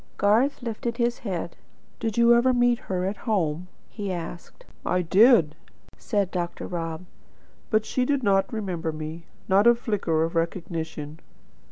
Garth lifted his head. "Did you ever meet her at home?" he asked. "I did," said Dr. Rob. "But she did not remember me. Not a flicker of recognition.